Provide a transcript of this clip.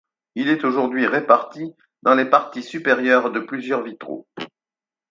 Il est aujourd'hui réparti dans les parties supérieures de plusieurs vitraux.